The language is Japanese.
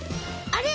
あれ？